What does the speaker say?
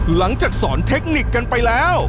หลังจากสอนเทคนิคกันไปแล้ว